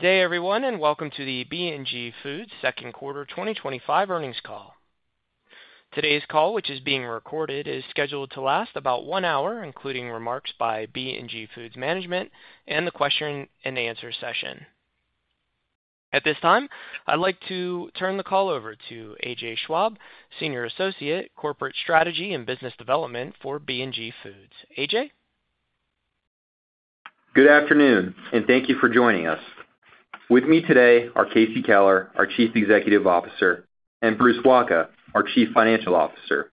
Good day, everyone, and welcome to the B&G Foods Second Quarter 2025 Earnings Call. Today's call, which is being recorded, is scheduled to last about one hour, including remarks by B&G Foods management and the question-and-answer session. At this time, I'd like to turn the call over to A.J. Schwabe, Senior Associate, Corporate Strategy and Business Development for B&G Foods. A.J.? Good afternoon, and thank you for joining us. With me today are Casey Keller, our Chief Executive Officer, and Bruce Wacha, our Chief Financial Officer.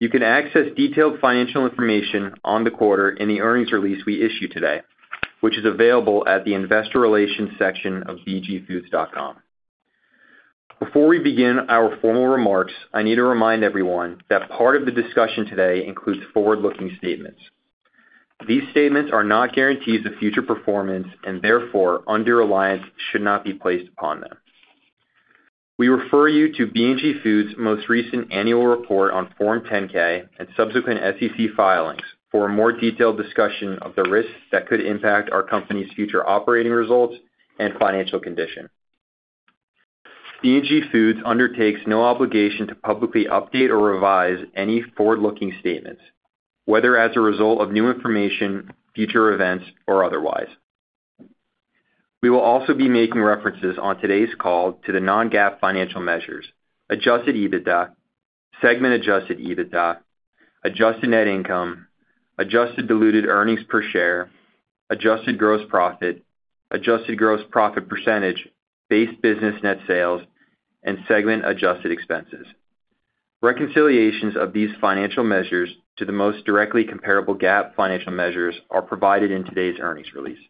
You can access detailed financial information on the quarter in the earnings release we issued today, which is available at the Investor Relations section of bgfoods.com. Before we begin our formal remarks, I need to remind everyone that part of the discussion today includes forward-looking statements. These statements are not guarantees of future performance, and therefore under-reliance should not be placed upon them. We refer you to B&G Foods' most recent Annual Report on Form 10-K and subsequent SEC filings for a more detailed discussion of the risks that could impact our company's future operating results and financial condition. B&G Foods undertakes no obligation to publicly update or revise any forward-looking statements, whether as a result of new information, future events, or otherwise. We will also be making references on today's call to the non-GAAP financial measures: adjusted EBITDA, segment adjusted EBITDA, adjusted net income, adjusted diluted earnings per share, adjusted gross profit, adjusted gross profit percentage, base business net sales, and segment adjusted expenses. Reconciliations of these financial measures to the most directly comparable GAAP financial measures are provided in today's earnings release.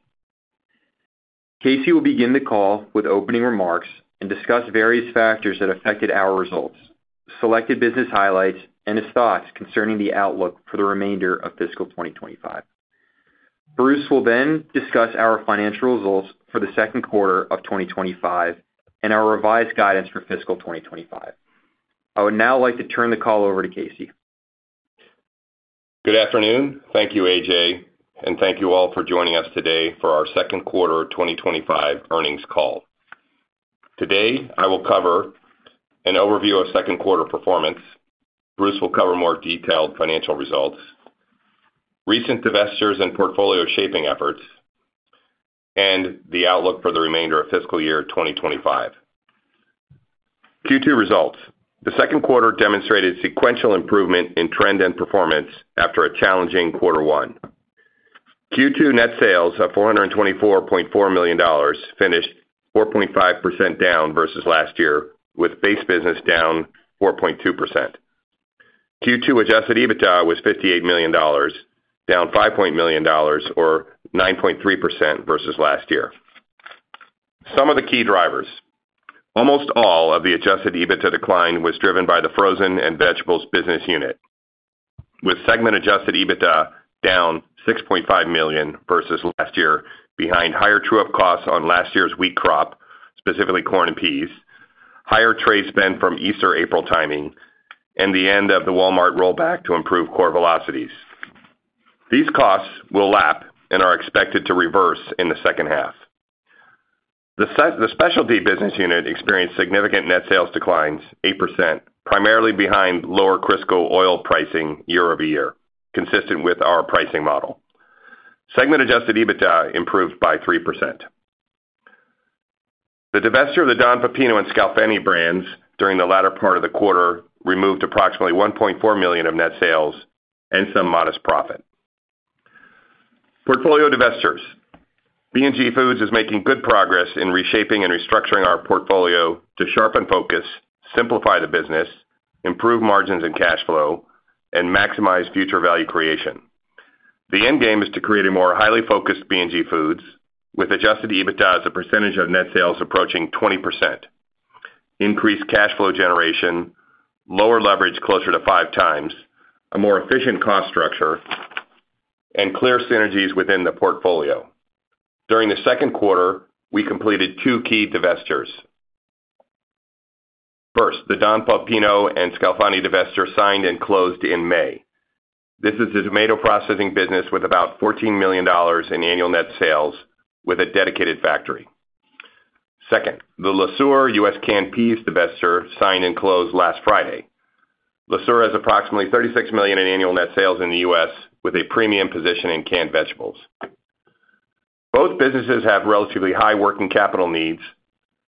Casey will begin the call with opening remarks and discuss various factors that affected our results, selected business highlights, and his thoughts concerning the outlook for the remainder of fiscal 2025. Bruce will then discuss our financial results for the second quarter of 2025 and our revised guidance for fiscal 2025. I would now like to turn the call over to Casey. Good afternoon. Thank you, A.J., and thank you all for joining us today for our Second Quarter 2025 Earnings Call. Today, I will cover an overview of second quarter performance. Bruce will cover more detailed financial results, recent divestitures and portfolio shaping efforts, and the outlook for the remainder of fiscal year 2025. Q2 results: the second quarter demonstrated sequential improvement in trend and performance after a challenging quarter one. Q2 net sales of $424.4 million finished 4.5% down versus last year, with base business down 4.2%. Q2 adjusted EBITDA was $58 million, down $5.0 million, or 9.3% versus last year. Some of the key drivers: almost all of the adjusted EBITDA decline was driven by the frozen and vegetables business unit, with segment adjusted EBITDA down $6.5 million versus last year, behind higher true-up costs on last year's wheat crop, specifically corn and peas, higher trade spend from Easter-April timing, and the end of the Walmart rollback to improve core velocities. These costs will lap and are expected to reverse in the second half. The Specialty business unit experienced significant net sales declines, 8%, primarily behind lower Crisco oil pricing year-over-year, consistent with our pricing model. Segment adjusted EBITDA improved by 3%. The divestiture of the Don Pepino and Sclafani brands during the latter part of the quarter removed approximately $1.4 million of net sales and some modest profit. Portfolio divestitures: B&G Foods is making good progress in reshaping and restructuring our portfolio to sharpen focus, simplify the business, improve margins and cash flow, and maximize future value creation. The end game is to create a more highly focused B&G Foods, with adjusted EBITDA as a percentage of net sales approaching 20%, increased cash flow generation, lower leverage closer to 5x, a more efficient cost structure, and clear synergies within the portfolio. During the second quarter, we completed two key divestitures. First, the Don Pepino and Sclafani divestiture signed and closed in May. This is a tomato processing business with about $14 million in annual net sales, with a dedicated factory. Second, the Le Sueur U.S. canned peas divestiture signed and closed last Friday. Le Sueur has approximately $36 million in annual net sales in the U.S., with a premium position in canned vegetables. Both businesses have relatively high working capital needs,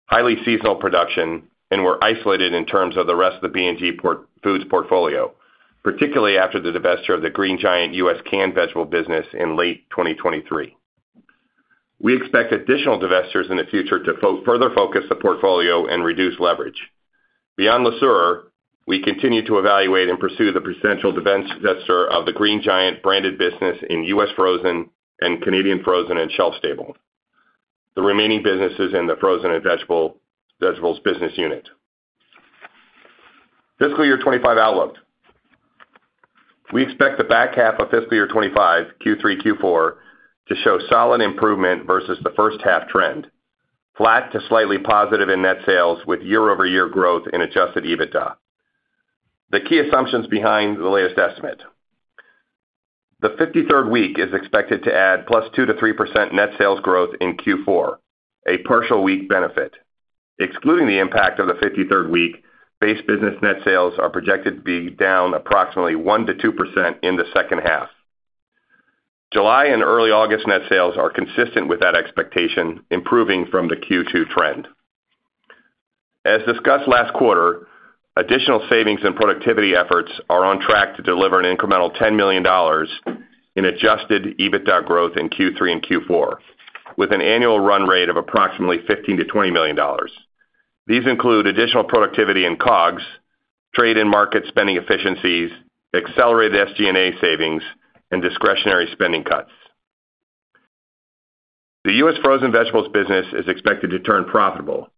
highly seasonal production, and were isolated in terms of the rest of the B&G Foods portfolio, particularly after the divestiture of the Green Giant U.S. canned vegetable business in late 2023. We expect additional divestitures in the future to further focus the portfolio and reduce leverage. Beyond Le Sueur, we continue to evaluate and pursue the potential divestiture of the Green Giant-branded business in U.S. frozen and Canadian frozen and shelf-stable, the remaining businesses in the frozen and vegetables business unit. Fiscal year 2025 outlook. We expect the back half of fiscal year 2025, Q3, Q4, to show solid improvement versus the first half trend: flat to slightly positive in net sales, with year-over-year growth in adjusted EBITDA. The key assumptions behind the latest estimate: the 53rd week is expected to add +2% to 3% net sales growth in Q4, a partial week benefit. Excluding the impact of the 53rd week, base business net sales are projected to be down approximately 1%-2% in the second half. July and early August net sales are consistent with that expectation, improving from the Q2 trend. As discussed last quarter, additional savings and productivity efforts are on track to deliver an incremental $10 million in adjusted EBITDA growth in Q3 and Q4, with an annual run rate of approximately $15 million-$20 million. These include additional productivity in COGS, trade and market spending efficiencies, accelerated SG&A savings, and discretionary spending cuts. The U.S. frozen vegetables business is expected to turn profitable,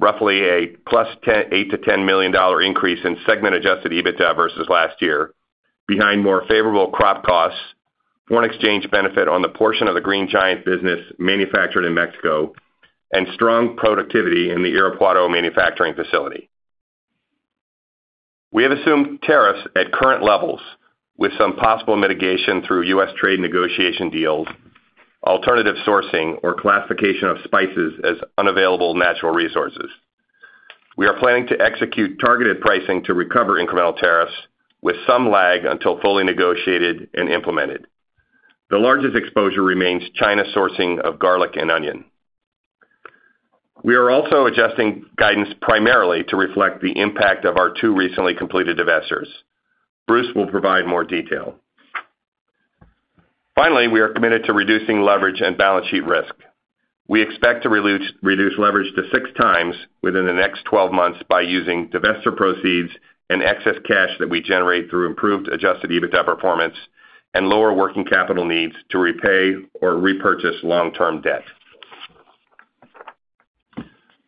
roughly a +$8 million to +$10 million increase in segment adjusted EBITDA versus last year, behind more favorable crop costs, foreign exchange benefit on the portion of the Green Giant business manufactured in Mexico, and strong productivity in the Irapuato manufacturing facility. We have assumed tariffs at current levels, with some possible mitigation through U.S. trade negotiation deals, alternative sourcing, or classification of spices as unavailable natural resources. We are planning to execute targeted pricing to recover incremental tariffs, with some lag until fully negotiated and implemented. The largest exposure remains China sourcing of garlic and onion. We are also adjusting guidance primarily to reflect the impact of our two recently completed divestitures. Bruce will provide more detail. Finally, we are committed to reducing leverage and balance sheet risk. We expect to reduce leverage to 6x within the next 12 months by using divestiture proceeds and excess cash that we generate through improved adjusted EBITDA performance and lower working capital needs to repay or repurchase long-term debt.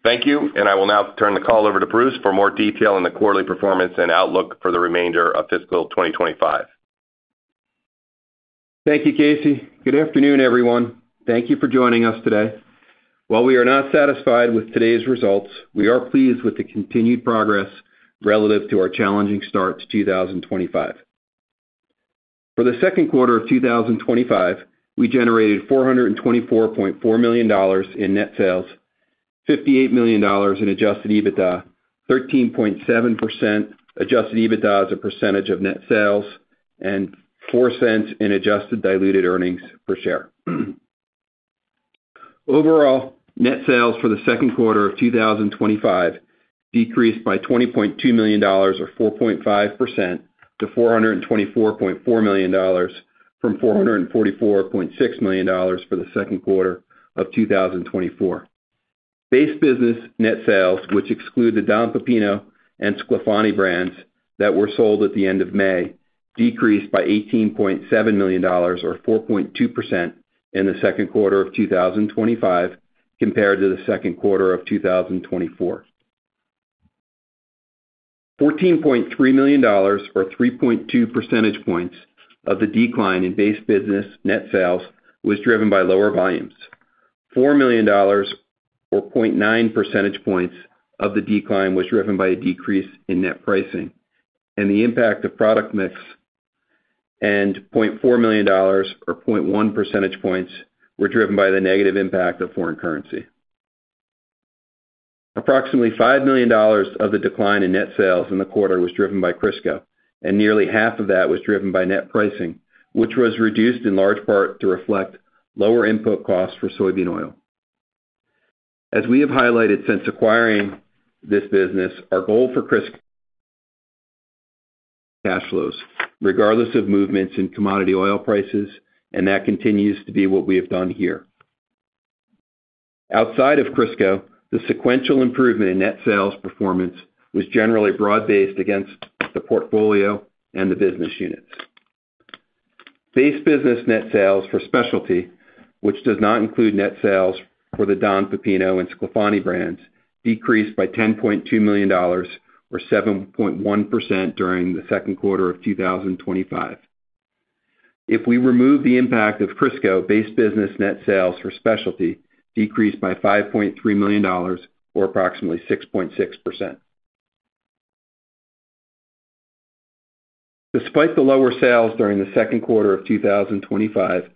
Thank you, and I will now turn the call over to Bruce for more detail on the quarterly performance and outlook for the remainder of fiscal 2025. Thank you, Casey. Good afternoon, everyone. Thank you for joining us today. While we are not satisfied with today's results, we are pleased with the continued progress relative to our challenging start to 2025. For the second quarter of 2025, we generated $424.4 million in net sales, $58 million in adjusted EBITDA, 13.7% adjusted EBITDA as a percentage of net sales, and $0.04 in adjusted diluted earnings per share. Overall, net sales for the second quarter of 2025 decreased by $20.2 million, or 4.5%, to $424.4 million from $444.6 million for the second quarter of 2024. Base business net sales, which exclude the Don Pepino and Sclafani brands that were sold at the end of May, decreased by $18.7 million, or 4.2%, in the second quarter of 2025 compared to the second quarter of 2024. $14.3 million, or 3.2%, of the decline in base business net sales was driven by lower volumes. $4 million, or 0.9%, of the decline was driven by a decrease in net pricing and the impact of product mix, and $0.4 million, or 0.1%, was driven by the negative impact of foreign currency. Approximately $5 million of the decline in net sales in the quarter was driven by Crisco, and nearly half of that was driven by net pricing, which was reduced in large part to reflect lower input costs for soybean oil. As we have highlighted since acquiring this business, our goal for Crisco was to increase cash flows, regardless of movements in commodity oil prices, and that continues to be what we have done here. Outside of Crisco, the sequential improvement in net sales performance was generally broad-based across the portfolio and the business units. Base business net sales for Specialty, which does not include net sales for the Don Pepino and Sclafani brands, decreased by $10.2 million, or 7.1%, during the second quarter of 2025. If we remove the impact of Crisco, base business net sales for Specialty decreased by $5.3 million, or approximately 6.6%. Despite the lower sales during the second quarter of 2025,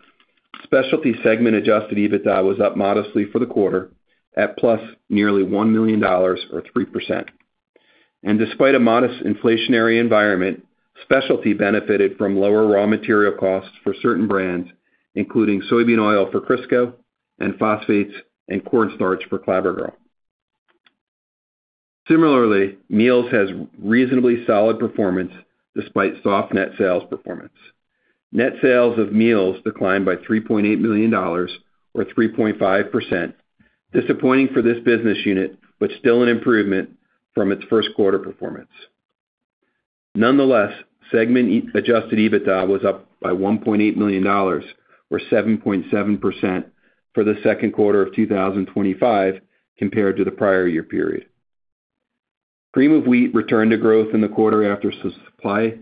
Specialty segment adjusted EBITDA was up modestly for the quarter at nearly $1 million, or 3%. Despite a modest inflationary environment, Specialty benefited from lower raw material costs for certain brands, including soybean oil for Crisco and phosphates and corn starch for Clabber Girl. Similarly, Meals has reasonably solid performance despite soft net sales performance. Net sales of Meals declined by $3.8 million, or 3.5%, disappointing for this business unit, but still an improvement from its first quarter performance. Nonetheless, segment adjusted EBITDA was up by $1.8 million, or 7.7% for the second quarter of 2025 compared to the prior year period. Cream of Wheat returned to growth in the quarter after supply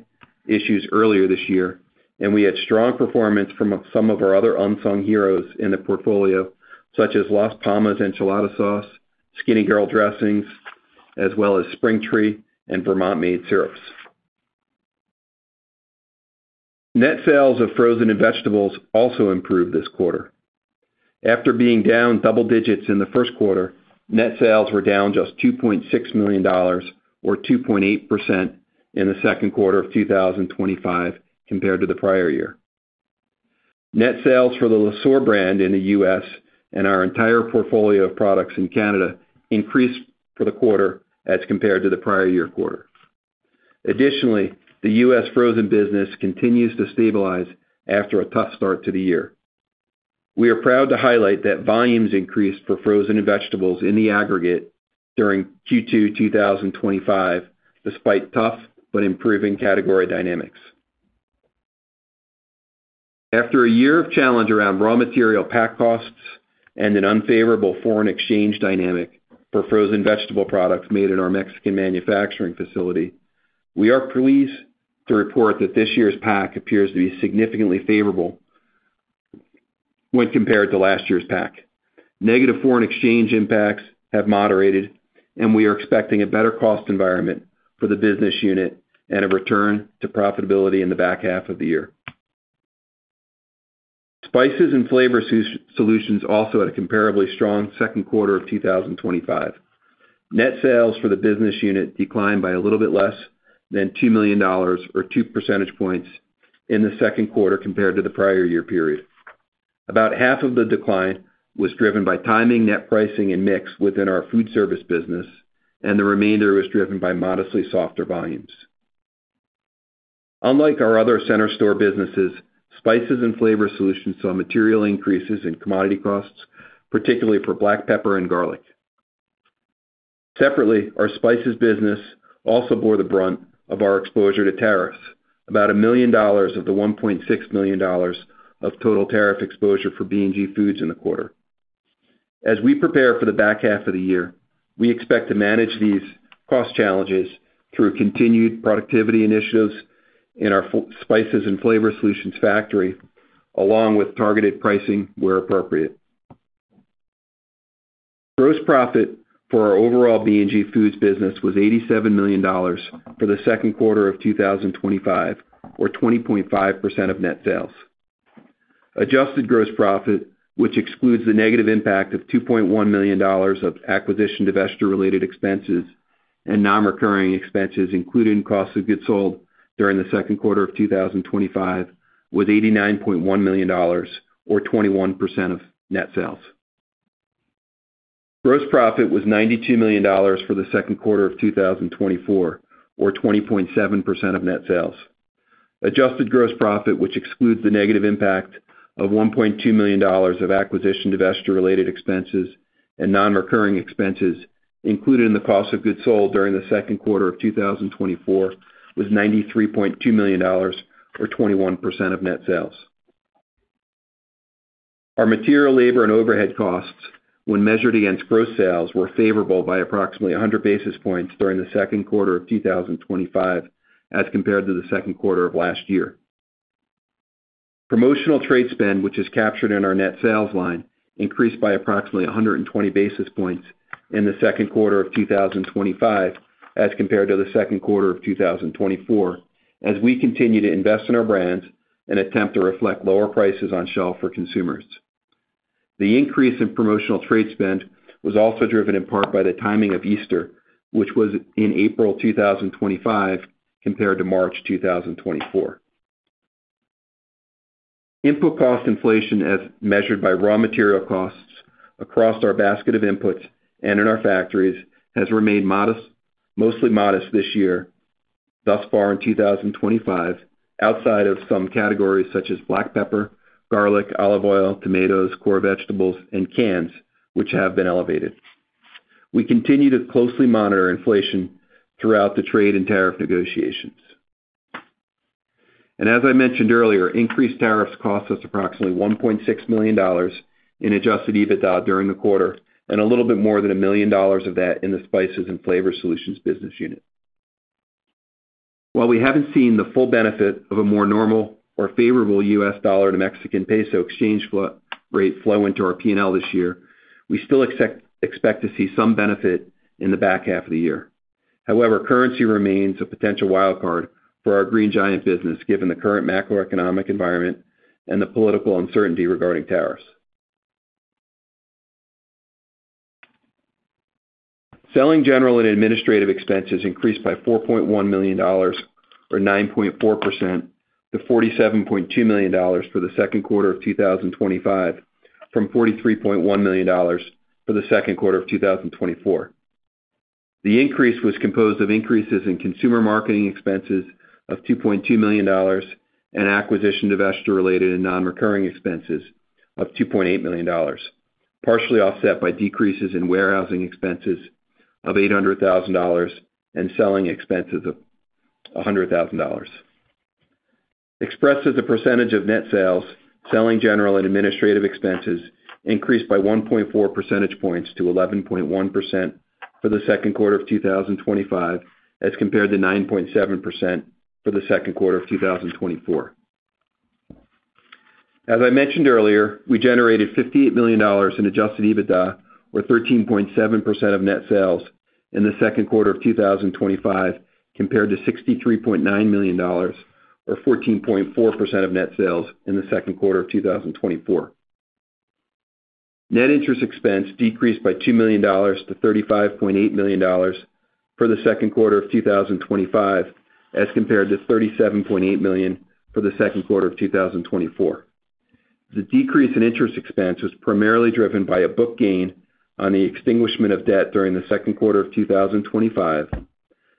issues earlier this year, and we had strong performance from some of our other unsung heroes in the portfolio, such as Las Palmas Enchilada Sauce, Skinnygirl salad dressings, as well as Spring Tree and Vermont Maid syrups. Net sales of frozen and vegetables also improved this quarter. After being down double digits in the first quarter, net sales were down just $2.6 million, or 2.8% in the second quarter of 2025 compared to the prior year. Net sales for the Le Sueur brand in the U.S. and our entire portfolio of products in Canada increased for the quarter as compared to the prior year quarter. Additionally, the U.S. frozen business continues to stabilize after a tough start to the year. We are proud to highlight that volumes increased for frozen and vegetables in the aggregate during Q2 2025, despite tough but improving category dynamics. After a year of challenge around raw material pack costs and an unfavorable foreign exchange dynamic for frozen vegetable products made in our Mexican manufacturing facility, we are pleased to report that this year's pack appears to be significantly favorable when compared to last year's pack. Negative foreign exchange impacts have moderated, and we are expecting a better cost environment for the business unit and a return to profitability in the back half of the year. Spices and flavor solutions also had a comparably strong second quarter of 2025. Net sales for the business unit declined by a little bit less than $2 million, or 2%, in the second quarter compared to the prior year period. About half of the decline was driven by timing, net pricing, and mix within our food service business, and the remainder was driven by modestly softer volumes. Unlike our other center store businesses, spices and flavor solutions saw material increases in commodity costs, particularly for black pepper and garlic. Separately, our spices business also bore the brunt of our exposure to tariffs, about $1 million of the $1.6 million of total tariff exposure for B&G Foods in the quarter. As we prepare for the back half of the year, we expect to manage these cost challenges through continued productivity initiatives in our spices and flavor solutions factory, along with targeted pricing where appropriate. Gross profit for our overall B&G Foods business was $87 million for the second quarter of 2025, or 20.5% of net sales. Adjusted gross profit, which excludes the negative impact of $2.1 million of acquisition divestiture-related expenses and non-recurring expenses, including cost of goods sold during the second quarter of 2025, was $89.1 million, or 21% of net sales. Gross profit was $92 million for the second quarter of 2024, or 20.7% of net sales. Adjusted gross profit, which excludes the negative impact of $1.2 million of acquisition divestiture-related expenses and non-recurring expenses included in the cost of goods sold during the second quarter of 2024, was $93.2 million, or 21% of net sales. Our material, labor, and overhead costs, when measured against gross sales, were favorable by approximately 100 basis points during the second quarter of 2025 as compared to the second quarter of last year. Promotional trade spend, which is captured in our net sales line, increased by approximately 120 basis points in the second quarter of 2025 as compared to the second quarter of 2024, as we continue to invest in our brands and attempt to reflect lower prices on shelf for consumers. The increase in promotional trade spend was also driven in part by the timing of Easter, which was in April 2025 compared to March 2024. Input cost inflation, as measured by raw material costs across our basket of inputs and in our factories, has remained mostly modest this year thus far in 2025, outside of some categories such as black pepper, garlic, olive oil, tomatoes, core vegetables, and cans, which have been elevated. We continue to closely monitor inflation throughout the trade and tariff negotiations. As I mentioned earlier, increased tariffs cost us approximately $1.6 million in adjusted EBITDA during the quarter and a little bit more than $1 million of that in the spices and flavor solutions business unit. While we haven't seen the full benefit of a more normal or favorable U.S. dollar to Mexican peso exchange rate flow into our P&L this year, we still expect to see some benefit in the back half of the year. However, currency remains a potential wildcard for our Green Giant business, given the current macroeconomic environment and the political uncertainty regarding tariffs. Selling, general and administrative expenses increased by $4.1 million, or 9.4%, to $47.2 million for the second quarter of 2025, from $43.1 million for the second quarter of 2024. The increase was composed of increases in consumer marketing expenses of $2.2 million and acquisition, divestiture-related and non-recurring expenses of $2.8 million, partially offset by decreases in warehousing expenses of $800,000 and selling expenses of $100,000. Expressed as a percentage of net sales, selling, general and administrative expenses increased by 1.4 percentage points to 11.1% for the second quarter of 2025 as compared to 9.7% for the second quarter of 2024. As I mentioned earlier, we generated $58 million in adjusted EBITDA, or 13.7% of net sales in the second quarter of 2025 compared to $63.9 million, or 14.4% of net sales in the second quarter of 2024. Net interest expense decreased by $2 million to $35.8 million for the second quarter of 2025 as compared to $37.8 million for the second quarter of 2024. The decrease in interest expense was primarily driven by a book gain on the extinguishment of debt during the second quarter of 2025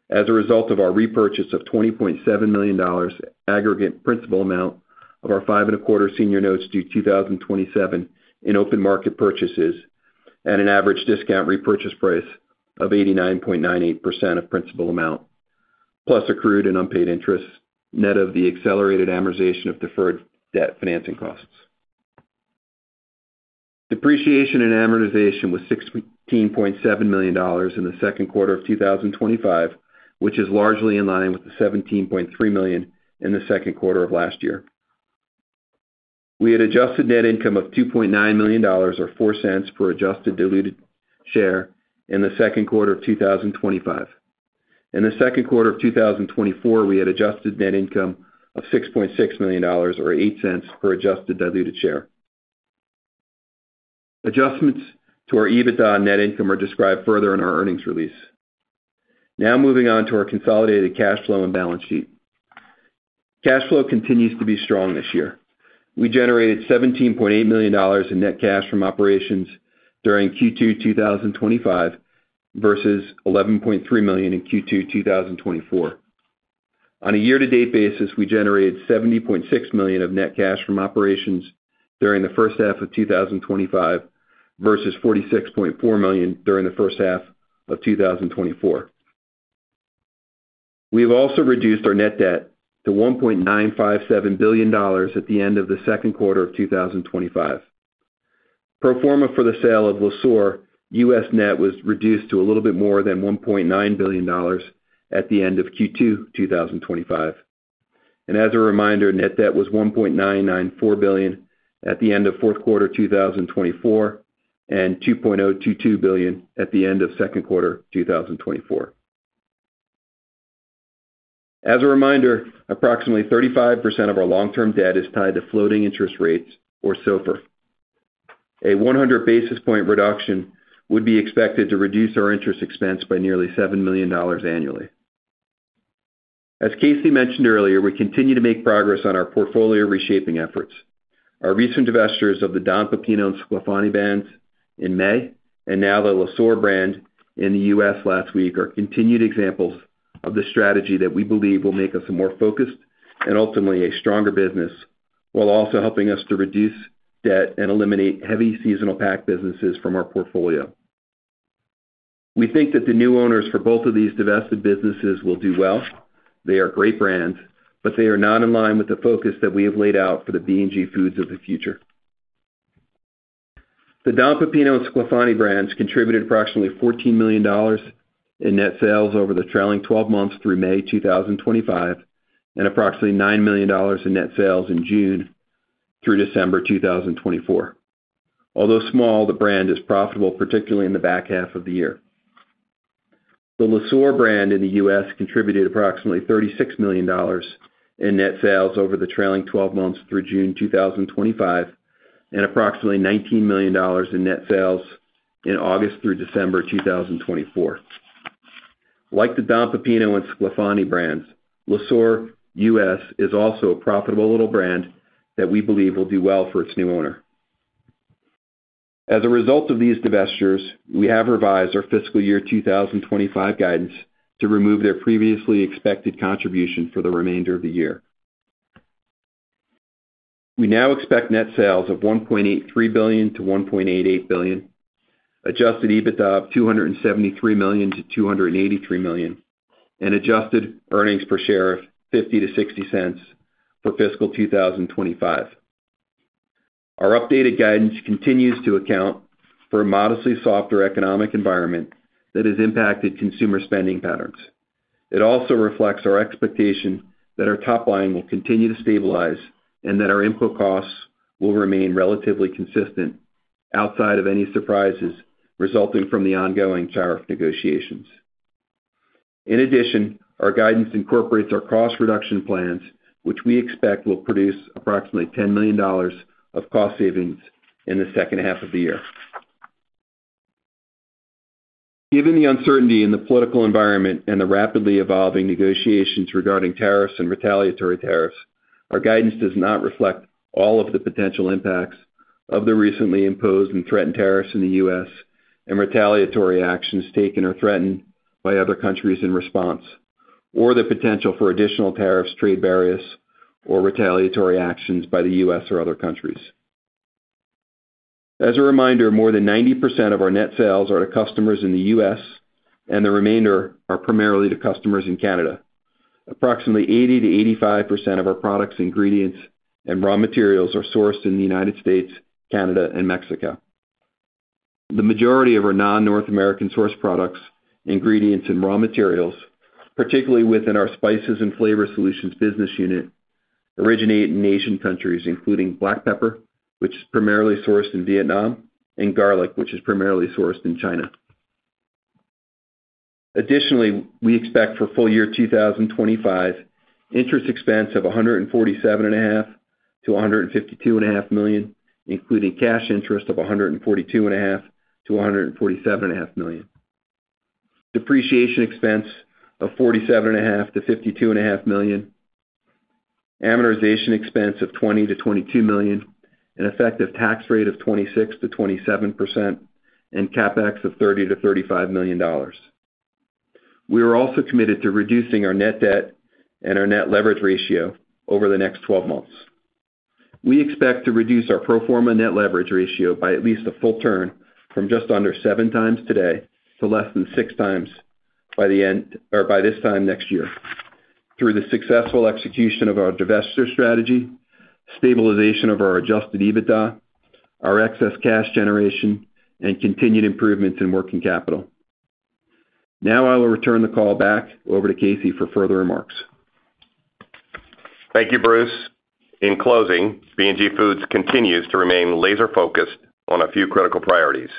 as a result of our repurchase of $20.7 million aggregate principal amount of our 5.25% senior notes due 2027 in open market purchases at an average discount repurchase price of 89.98% of principal amount, plus accrued and unpaid interest, net of the accelerated amortization of deferred debt financing costs. Depreciation and amortization was $16.7 million in the second quarter of 2025, which is largely in line with the $17.3 million in the second quarter of last year. We had adjusted net income of $2.9 million, or $0.04 per adjusted diluted share in the second quarter of 2025. In the second quarter of 2024, we had adjusted net income of $6.6 million, or $0.08 per adjusted diluted share. Adjustments to our EBITDA and net income are described further in our earnings release. Now moving on to our consolidated cash flow and balance sheet. Cash flow continues to be strong this year. We generated $17.8 million in net cash from operations during Q2 2025 versus $11.3 million in Q2 2024. On a year-to-date basis, we generated $70.6 million of net cash from operations during the first half of 2025 versus $46.4 million during the first half of 2024. We have also reduced our net debt to $1.957 billion at the end of the second quarter of 2025. Pro forma for the sale of Le Sueur, U.S. net was reduced to a little bit more than $1.9 billion at the end of Q2 2025. As a reminder, net debt was $1.994 billion at the end of fourth quarter 2024 and $2.022 billion at the end of second quarter 2024. Approximately 35% of our long-term debt is tied to floating interest rates, or SOFR. A 100 basis point reduction would be expected to reduce our interest expense by nearly $7 million annually. As Casey mentioned earlier, we continue to make progress on our portfolio reshaping efforts. Our recent divestitures of the Don Pepino and Sclafani brands in May and now the Le Sueur brand in the U.S. last week are continued examples of the strategy that we believe will make us a more focused and ultimately a stronger business, while also helping us to reduce debt and eliminate heavy seasonal pack businesses from our portfolio. We think that the new owners for both of these divested businesses will do well. They are great brands, but they are not in line with the focus that we have laid out for the B&G Foods of the future. The Don Pepino and Sclafani brands contributed approximately $14 million in net sales over the trailing 12 months through May 2025 and approximately $9 million in net sales in June through December 2024. Although small, the brand is profitable, particularly in the back half of the year. The Le Sueur brand in the U.S. contributed approximately $36 million in net sales over the trailing 12 months through June 2025 and approximately $19 million in net sales in August through December 2024. Like the Don Pepino and Sclafani brands, Le Sueur U.S. is also a profitable little brand that we believe will do well for its new owner. As a result of these divestitures, we have revised our fiscal year 2025 guidance to remove their previously expected contribution for the remainder of the year. We now expect net sales of $1.83 billio-$1.88 billion, adjusted EBITDA of $273 million-$283 million, and adjusted earnings per share of $0.50-$0.60 for fiscal 2025. Our updated guidance continues to account for a modestly softer economic environment that has impacted consumer spending patterns. It also reflects our expectation that our top-line will continue to stabilize and that our input costs will remain relatively consistent outside of any surprises resulting from the ongoing tariff negotiations. In addition, our guidance incorporates our cost reduction plans, which we expect will produce approximately $10 million of cost savings in the second half of the year. Given the uncertainty in the political environment and the rapidly evolving negotiations regarding tariffs and retaliatory tariffs, our guidance does not reflect all of the potential impacts of the recently imposed and threatened tariffs in the U.S. and retaliatory actions taken or threatened by other countries in response, or the potential for additional tariffs, trade barriers, or retaliatory actions by the U.S. or other countries. As a reminder, more than 90% of our net sales are to customers in the U.S., and the remainder are primarily to customers in Canada. Approximately 80%-85% of our products, ingredients, and raw materials are sourced in the United States, Canada, and Mexico. The majority of our non-North American source products, ingredients, and raw materials, particularly within our spices and flavor solutions business unit, originate in Asian countries, including black pepper, which is primarily sourced in Vietnam, and garlic, which is primarily sourced in China. Additionally, we expect for full year 2025, interest expense of $147.5 million-$152.5 million, including cash interest of $142.5 million-$147.5 million, depreciation expense of $47.5 million-$52.5 million, amortization expense of $20 million-$22 million, an effective tax rate of 26%-27%, and CapEx of $30 million-$35 million. We are also committed to reducing our net debt and our net leverage ratio over the next 12 months. We expect to reduce our pro forma net leverage ratio by at least a full turn from just under 7x today to less than 6x by the end or by this time next year through the successful execution of our divestiture strategy, stabilization of our adjusted EBITDA, our excess cash generation, and continued improvements in working capital. Now I will return the call back over to Casey for further remarks. Thank you, Bruce. In closing, B&G Foods continues to remain laser-focused on a few critical priorities.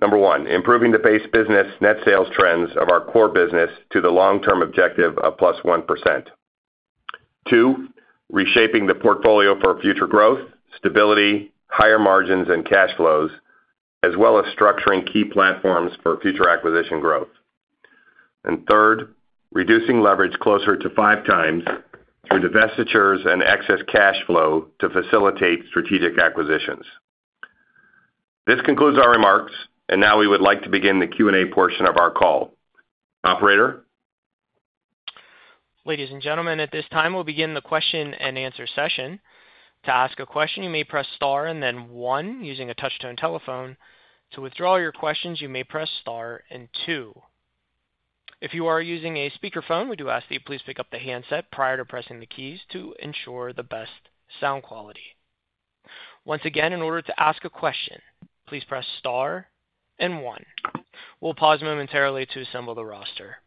Number one, improving the base business net sales trends of our core business to the long-term objective of +1%. Two, reshaping the portfolio for future growth, stability, higher margins, and cash flows, as well as structuring key platforms for future acquisition growth. Third, reducing leverage closer to five times through divestitures and excess cash flow to facilitate strategic acquisitions. This concludes our remarks, and now we would like to begin the Q&A portion of our call. Operator? Ladies and gentlemen, at this time, we'll begin the question and answer session. To ask a question, you may press star and then one using a touch-tone telephone. To withdraw your questions, you may press star and two. If you are using a speakerphone, we do ask that you please pick up the handset prior to pressing the keys to ensure the best sound quality. Once again, in order to ask a question, please press star and one. We'll pause momentarily to assemble the roster.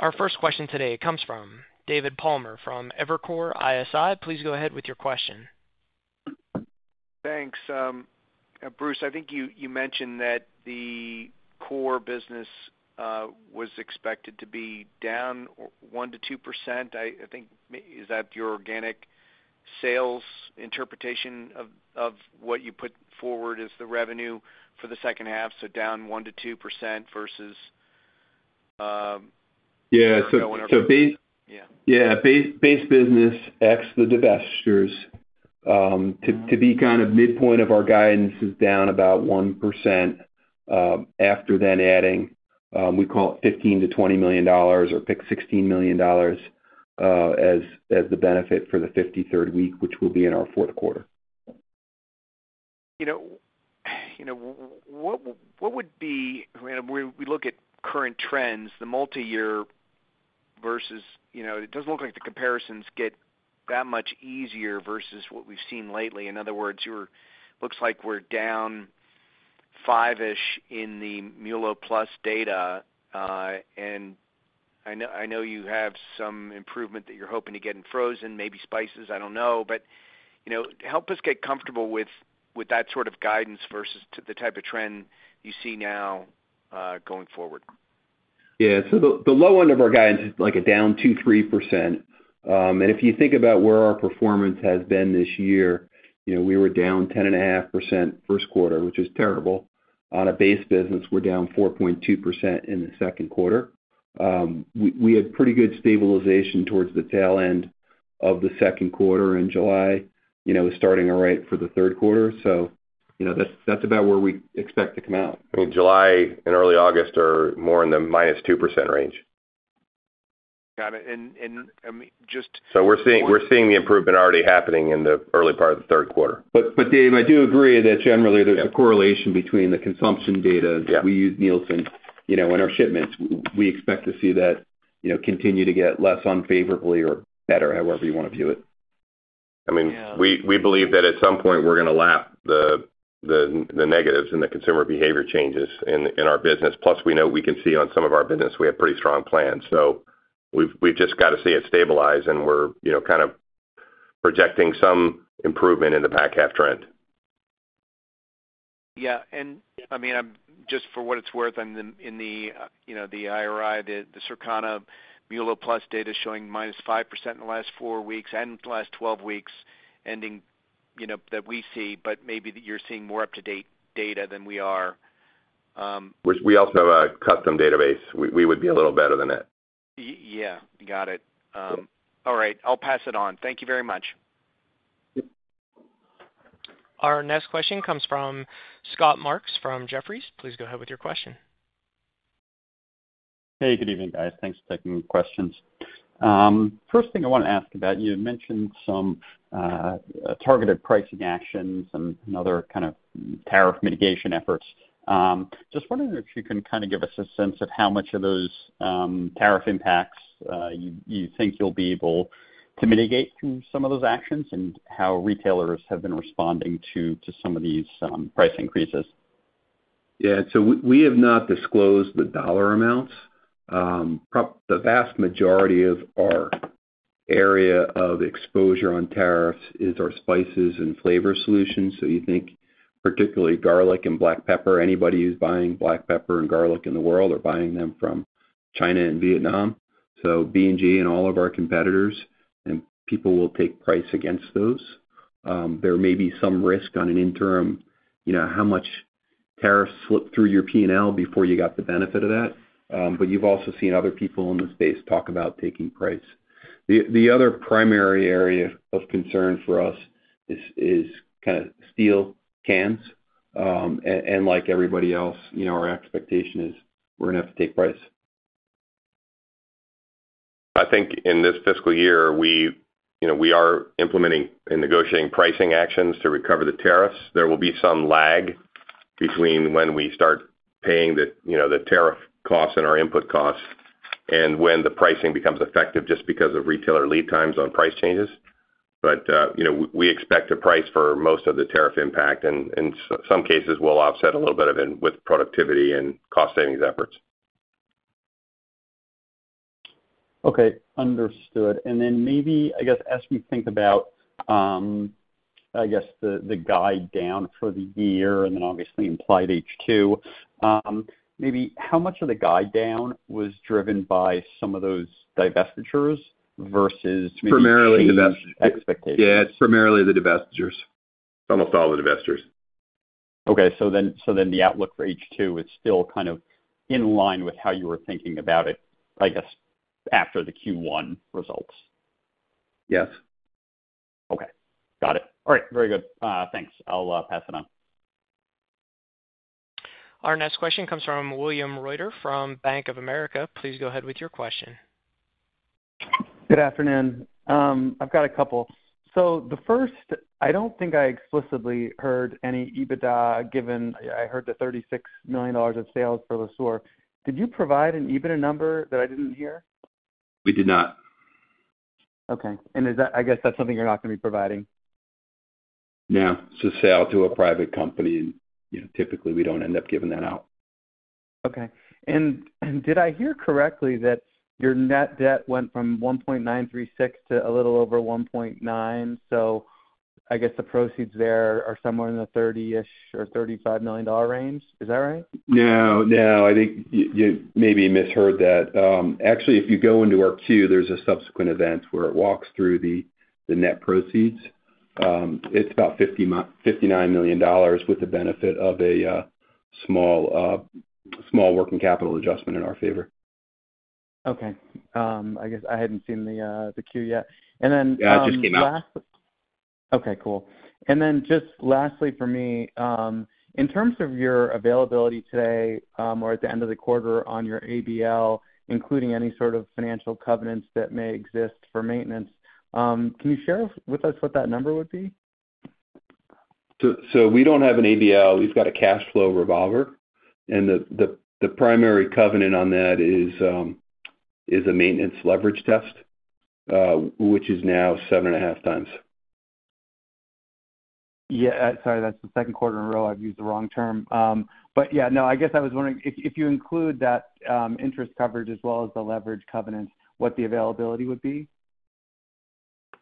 Our first question today comes from David Palmer from Evercore ISI. Please go ahead with your question. Thanks. Bruce, I think you mentioned that the core business was expected to be down 1%-2%. I think, is that your organic sales interpretation of what you put forward as the revenue for the second half? So, down 1% to 2% versus... Yeah, base business ex the divestitures to be kind of midpoint of our guidance is down about 1% after then adding, we call it $15 million-$20 million or $16 million as the benefit for the 53rd week, which will be in our fourth quarter. You know, we look at current trends, the multi-year versus, you know, it doesn't look like the comparisons get that much easier versus what we've seen lately. In other words, it looks like we're down 5-ish % in the MULO+ data. I know you have some improvement that you're hoping to get in frozen, maybe spices, I don't know. But, you know, help us get comfortable with that sort of guidance versus the type of trend you see now going forward. Yeah, the low end of our guidance is like a down 2%-3%. If you think about where our performance has been this year, we were down 10.5% first quarter, which is terrible. On a base business, we're down 4.2% in the second quarter. We had pretty good stabilization towards the tail end of the second quarter in July, starting out right for the third quarter. So, that's about where we expect to come out. I mean, July and early August are more in the -2% range. Got it. Just So we’re seeing the improvement already happening in the early part of the third quarter. But Dave, do agree that generally there’s a correlation between the consumption data that we use Nielsen in our shipments. We expect to see that continue to get less unfavorably or better, however you want to view it. I mean, we believe that at some point we're going to lap the negatives and the consumer behavior changes in our business. Plus, we know we can see on some of our business, we have pretty strong plans. We have just got to see it stabilize, and we're, you know, kind of projecting some improvement in the back half trend. Yeah, just for what it's worth, I'm in the IRI, the Circana MULO+ data showing -5% in the last four weeks and the last 12 weeks ending, you know, that we see, but maybe that you're seeing more up-to-date data than we are. We also have a custom database. We would be a little better than that. Yeah. Got it. All right, I'll pass it on. Thank you very much. Our next question comes from Scott Marks from Jefferies. Please go ahead with your question. Hey, good evening, guys. Thanks for taking questions. First thing I want to ask about, you had mentioned some targeted pricing actions and other kind of tariff mitigation efforts. Just wondering if you can give us a sense of how much of those tariff impacts you think you'll be able to mitigate from some of those actions and how retailers have been responding to some of these price increases. Yeah, we have not disclosed the dollar amounts. The vast majority of our area of exposure on tariffs is our spices and flavor solutions. So, you think particularly garlic and black pepper, anybody who's buying black pepper and garlic in the world are buying them from China and Vietnam. So, B&G and all of our competitors, and people will take price against those. There may be some risk on an interim, you know, how much tariffs slipped through your P&L before you got the benefit of that. You've also seen other people in the space talk about taking price. The other primary area of concern for us is kind of steel cans. Like everybody else, our expectation is we're going to have to take price. I think in this fiscal year, we are implementing and negotiating pricing actions to recover the tariffs. There will be some lag between when we start paying the tariff costs and our input costs and when the pricing becomes effective, just because of retailer lead times on price changes. But we expect a price for most of the tariff impact, and in some cases, we'll offset a little bit of it with productivity and cost savings efforts. Okay, understood. Then maybe as we think about the guide down for the year, and obviously implied H2, maybe how much of the guide down was driven by some of those divestitures versus expectations? Primarily the divestitures. Yeah, it's primarily the divestitures. Almost all the divestitures. Okay, so the outlook for H2 is still kind of in line with how you were thinking about it, I guess, after the Q1 results. Yes. Okay, got it. All right, very good. Thanks. I'll pass it on. Our next question comes from William Reuter from Bank of America. Please go ahead with your question. Good afternoon. I've got a couple. The first, I don't think I explicitly heard any EBITDA given I heard the $36 million of sales for Le Sueur. Did you provide an EBITDA number that I didn't hear? We did not. Okay. And is that I guess that's something you're not going to be providing? No. It's a sale to a private company. Typically we don't end up giving that out. Okay. Did I hear correctly that your net debt went from $1.936 billion to a little over $1.9 billion? I guess the proceeds there are somewhere in the $30 ish million or $35 million range. Is that right? No, I think you maybe misheard that. Actually, if you go into our Q2, there's a subsequent event where it walks through the net proceeds. It's about $59 million with the benefit of a small working capital adjustment in our favor. Okay. I guess I hadn't seen the Q yet. Yeah, it just came out. Okay, cool. Lastly, in terms of your availability today or at the end of the quarter on your ABL, including any sort of financial covenants that may exist for maintenance, can you share with us what that number would be? So, we don't have an ABL. We've got a cash flow revolver, and the primary covenant on that is a maintenance leverage test, which is now 7.5x. Sorry, that's the second quarter in a row. I've used the wrong term. I guess I was wondering if you include that interest coverage as well as the leverage covenant, what the availability would be.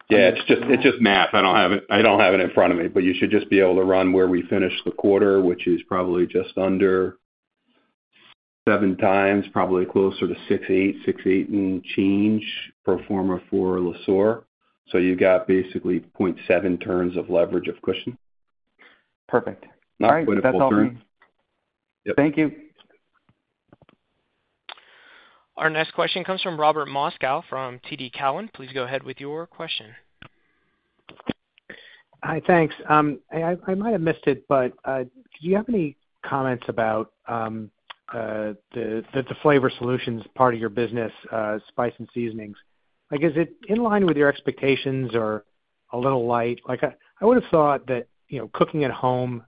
Yeah, it's just math. I don't have it in front of me, but you should just be able to run where we finish the quarter, which is probably just under 7x, probably closer to 6.8, 6.8 and change pro forma for Le Sueur. You've got basically 0.7 turns of leverage of cushion. Perfect. [crosstalk-All right, that's all.]Thank you. Our next question comes from Robert Moskow from TD Cowen. Please go ahead with your question. Hi, thanks. I might have missed it, but do you have any comments about the flavor solutions part of your business, spice and seasonings? Is it in line with your expectations or a little light? I would have thought that, you know, cooking at home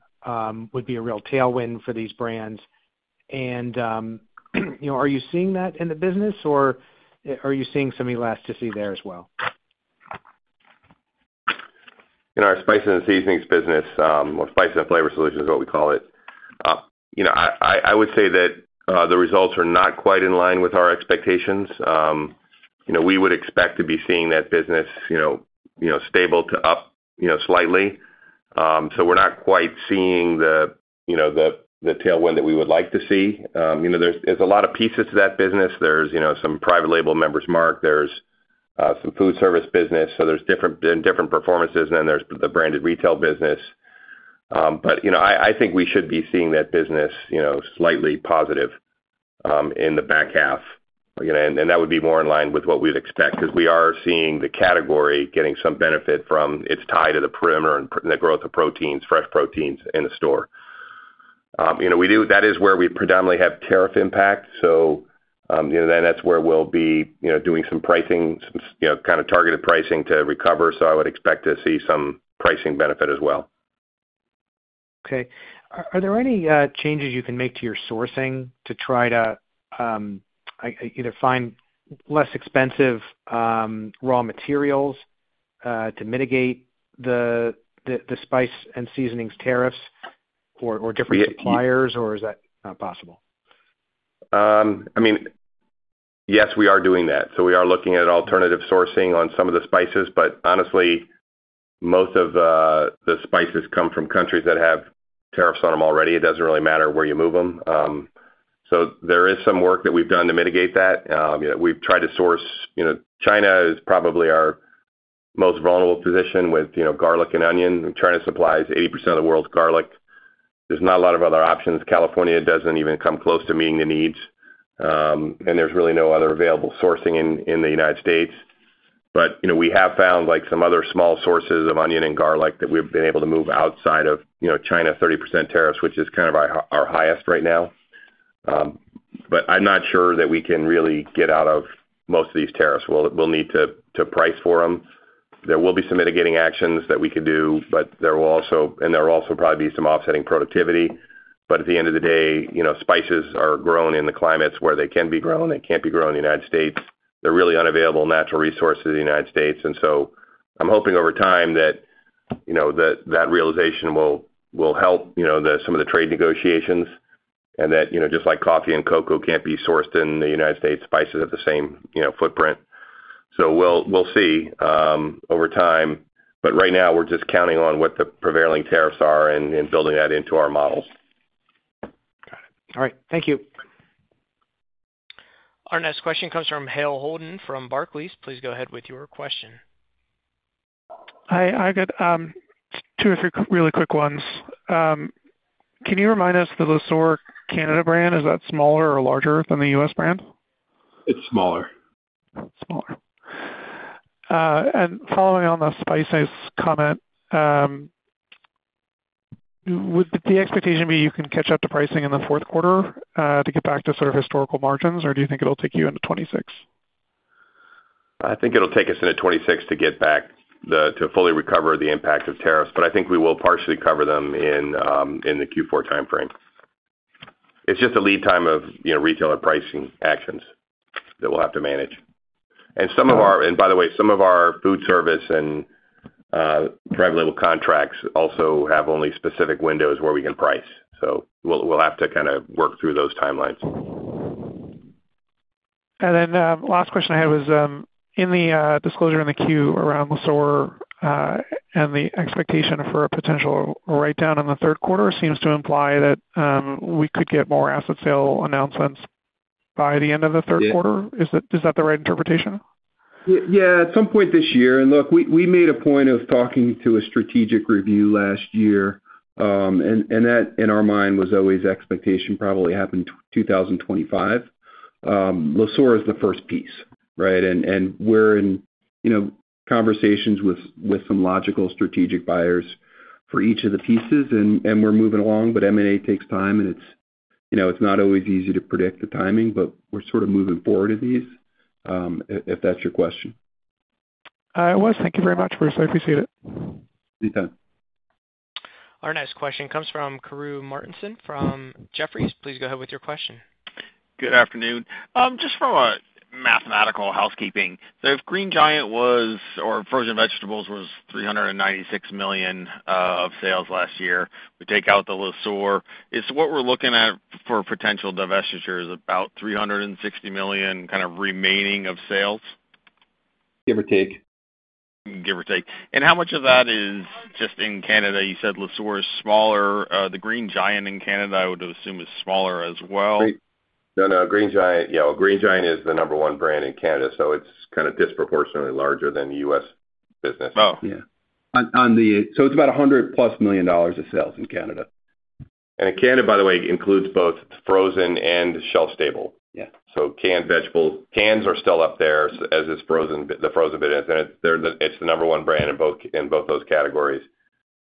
would be a real tailwind for these brands. Are you seeing that in the business, or are you seeing some elasticity there as well? In our spice and seasonings business, spice and flavor solution is what we call it. I would say that the results are not quite in line with our expectations. We would expect to be seeing that business stable to up slightly. We're not quite seeing the tailwind that we would like to see. There are a lot of pieces to that business. There is some private-label Member's Mark. There is some food service business, so there are different performances. There is the branded retail business. I think we should be seeing that business slightly positive in the back half. That would be more in line with what we would expect because we are seeing the category getting some benefit from its tie to the perimeter and the growth of proteins, fresh proteins in the store. That is where we predominantly have tariff impact. That is where we will be doing some pricing, some kind of targeted pricing to recover. I would expect to see some pricing benefit as well. Okay. Are there any changes you can make to your sourcing to try to either find less expensive raw materials to mitigate the spice and seasonings tariffs, or different suppliers, or is that not possible? I mean, yes, we are doing that. We are looking at alternative sourcing on some of the spices, but honestly, most of the spices come from countries that have tariffs on them already. It doesn't really matter where you move them. There is some work that we've done to mitigate that. We've tried to source, you know, China is probably our most vulnerable position with, you know, garlic and onion. China supplies 80% of the world's garlic. There's not a lot of other options. California doesn't even come close to meeting the needs, and there's really no other available sourcing in the United States. But you know we have found some other small sources of onion and garlic that we've been able to move outside of, you know, China 30% tariffs, which is kind of our highest right now. I'm not sure that we can really get out of most of these tariffs. We'll need to price for them. There will be some mitigating actions that we could do, and there will also probably be some offsetting productivity. At the end of the day, you know, spices are grown in the climates where they can be grown. They can't be grown in the United States. They're really unavailable natural resources in the United States. I'm hoping over time that, you know, that realization will help, you know, some of the trade negotiations and that, you know, just like coffee and cocoa can't be sourced in the United States, spices have the same, you know, footprint. We'll see over time. Right now, we're just counting on what the prevailing tariffs are and building that into our models. All right. Thank you. Our next question comes from Hale Holden from Barclays. Please go ahead with your question. Hi, I got two or three really quick ones. Can you remind us, the Le Sueur Canada brand, is that smaller or larger than the U.S. brand? It's smaller. Following on the spice comment, would the expectation be you can catch up the pricing in the fourth quarter to get back to sort of historical margins, or do you think it'll take you into 2026? I think it'll take us into 2026 to get back to fully recover the impact of tariffs, but I think we will partially cover them in the Q4 timeframe. It's just a lead time of, you know, retailer pricing actions that we'll have to manage. Some of our, and by the way, some of our food service and private label contracts also have only specific windows where we can price. We will have to kind of work through those timelines. And then the last question I had was in the disclosure in the Q around Le Sueur and the expectation for a potential write-down in the third quarter. It seems to imply that we could get more asset sale announcements by the end of the third quarter. Is that the right interpretation? Yeah, at some point this year. Look, we made a point of talking to a strategic review last year. That, in our mind, was always the expectation, probably happened in 2025. Le Sueur is the first piece, right? We're in conversations with some logical strategic buyers for each of the pieces. We're moving along, but M&A takes time. It's not always easy to predict the timing, but we're sort of moving forward in these, if that's your question. It was. Thank you very much, Bruce. I appreciate it. Any time. Our next question comes from Karru Martinson from Jefferies. Please go ahead with your question. Good afternoon. Just from a mathematical housekeeping, if Green Giant was, or Frozen Vegetables was $396 million of sales last year, we take out the Le Sueur, is what we're looking at for potential divestitures about $360 million kind of remaining of sales. Give or take. Give or take. How much of that is just in Canada? You said Le Sueur is smaller. The Green Giant in Canada, I would assume, is smaller as well. No, Green Giant is the number one brand in Canada. It's kind of disproportionately larger than the U.S. business. Oh, yeah. It's about $100+ million plus of sales in Canada. In Canada, by the way, it includes both frozen and shelf-stable. So canned vegetables, cans are still up there as is the frozen business, and it's the number one brand in both those categories.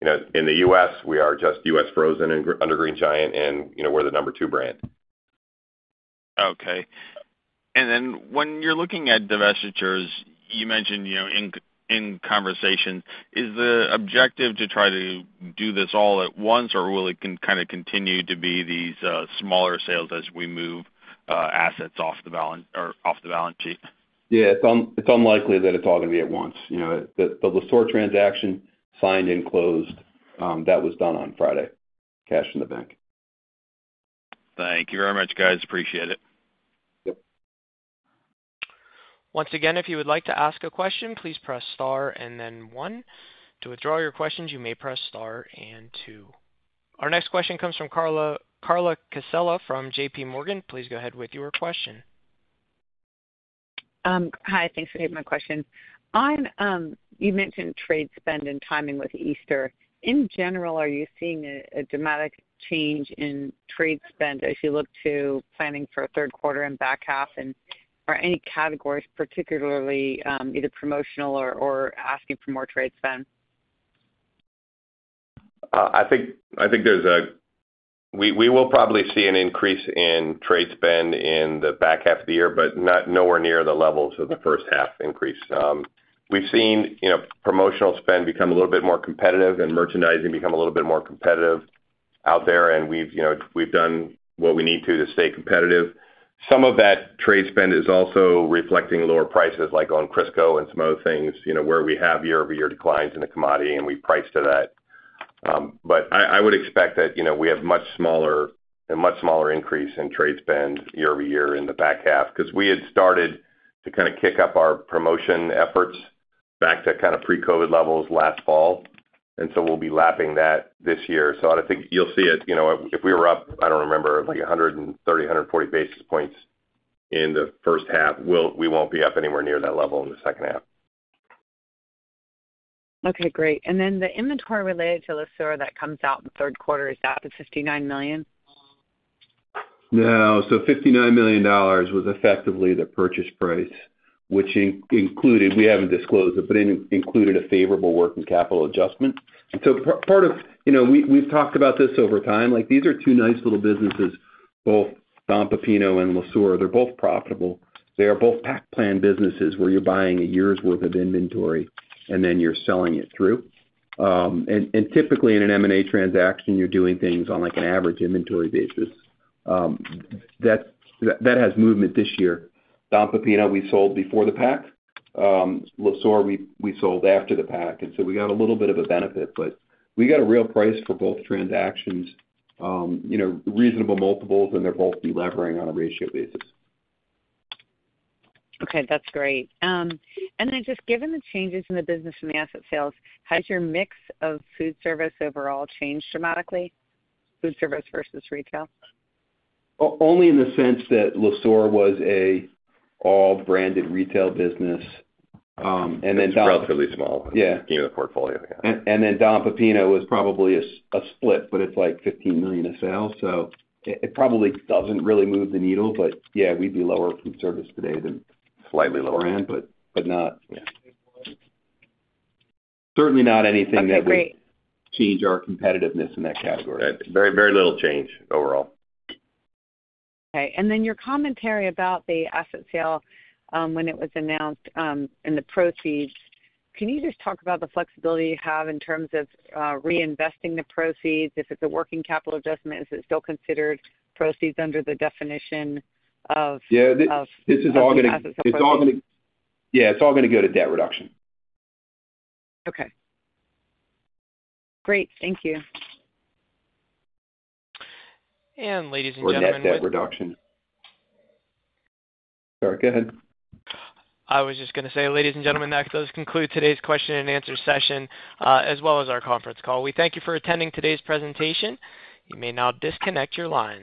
In the U.S., we are just U.S. frozen under Green Giant, and we're the number two brand. Okay. When you're looking at divestitures, you mentioned, you know, in conversation, is the objective to try to do this all at once, or will it kind of continue to be these smaller sales as we move assets off the balance sheet? Yeah, it's unlikely that it's all going to be at once. You know, the Le Sueur transaction signed and closed, that was done on Friday, cash in the bank. Thank you very much, guys. Appreciate it. Once again, if you would like to ask a question, please press star and then one. To withdraw your questions, you may press star and two. Our next question comes from Carla Casella from JPMorgan. Please go ahead with your question. Hi, thanks for taking my question. You mentioned trade spend and timing with Easter. In general, are you seeing a dramatic change in trade spend as you look to planning for a third quarter and back half? Are any categories particularly either promotional or asking for more trade spend? I think we will probably see an increase in trade spend in the back half of the year, but nowhere near the levels of the first half increase. We've seen promotional spend become a little bit more competitive and merchandising become a little bit more competitive out there. We've done what we need to to stay competitive. Some of that trade spend is also reflecting lower prices, like on Crisco and some other things, where we have year-over-year declines in the commodity, and we price to that. I would expect that we have a much smaller and much smaller increase in trade spend year-over-year in the back half because we had started to kind of kick up our promotion efforts back to kind of pre-COVID levels last fall, and we'll be lapping that this year. I think you'll see it. If we were up, I don't remember, like 130, 140 basis points in the first half, we won't be up anywhere near that level in the second half. Okay, great. The inventory related to Le Sueur that comes out in the third quarter, is that $59 million? No. $59 million was effectively the purchase price, which included, we haven't disclosed it, but included a favorable working capital adjustment. Part of, you know, we've talked about this over time, like these are two nice little businesses, both Don Pepino and Le Sueur, they're both profitable. They are both pack plan businesses where you're buying a year's worth of inventory and then you're selling it through. Typically in an M&A transaction, you're doing things on like an average inventory basis. That has movement this year. Don Pepino, we sold before the pack. Le Sueur, we sold after the pack. We got a little bit of a benefit, but we got a real price for both transactions, you know, reasonable multiples, and they're both delivering on a ratio basis. Okay, that's great. Just given the changes in the business and the asset sales, has your mix of food service overall changed dramatically? Food service versus retail? Only in the sense that Le Sueur was an all-branded retail business, It's relatively small. Yeah. In the portfolio. And then Don Pepino was probably a split, but it's like $15 million of sales. It probably doesn't really move the needle, but yeah, we'd be lower food service today than slightly lower end, but not certainly not anything that would change our competitiveness in that category. Very, very little change overall. Okay. Your commentary about the asset sale when it was announced and the proceeds, can you just talk about the flexibility you have in terms of reinvesting the proceeds? If it's a working capital adjustment, is it still considered proceeds under the definition of asset sales? Yeah, it's all going to go to debt reduction. Okay. Great. Thank you. Ladies and gentlemen, with. Debt reduction. Sorry, go ahead. I was just going to say, ladies and gentlemen, that does conclude today's question and answer session, as well as our conference call. We thank you for attending today's presentation. You may now disconnect your line.